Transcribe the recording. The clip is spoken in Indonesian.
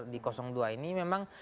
di dua ini memang